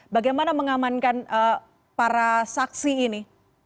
bagaimana mengamankan para saksi ini